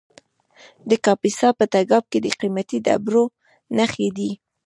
د کاپیسا په تګاب کې د قیمتي ډبرو نښې دي.